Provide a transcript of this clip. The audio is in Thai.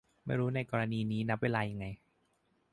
ไม่รู้กรณีนี้นับเวลายังไง